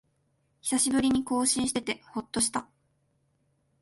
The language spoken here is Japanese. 久しぶりに更新しててほっとした